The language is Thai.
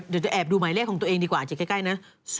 เอาเดี๋ยวแอบดูหมายเลขของตัวเองดีกว่าใกล้นะ